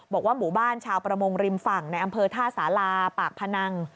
บอกว่าหมู่บ้านชาวประมงริมฝั่งในอำเภอท่าสาราปากพนัง